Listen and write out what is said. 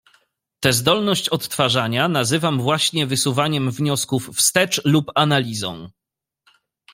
"Te zdolność odtwarzania nazywam właśnie wysnuwaniem wniosków wstecz lub analizą."